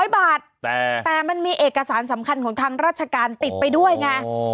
๐บาทแต่มันมีเอกสารสำคัญของทางราชการติดไปด้วยไง